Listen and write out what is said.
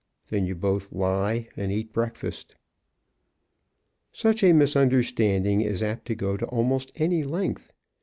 Then you both lie and eat breakfast. Such a misunderstanding is apt to go to almost any length.